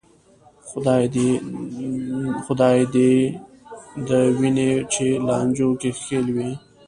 خدای دې دې ویني چې لانجو کې ښکېل وې.